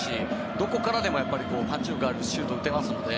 どこからでもパンチ力あるシュートを打てますので。